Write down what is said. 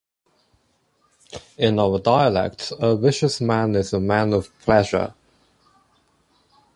In our dialect a vicious man is a man of pleasure.